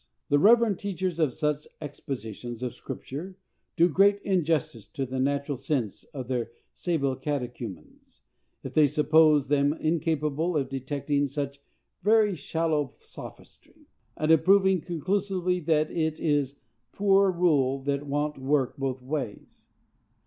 The reverend teachers of such expositions of scripture do great injustice to the natural sense of their sable catechumens, if they suppose them incapable of detecting such very shallow sophistry, and of proving conclusively that "it is a poor rule that wont work both ways."